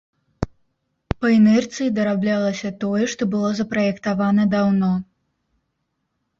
Па інерцыі дараблялася тое, што было запраектавана даўно.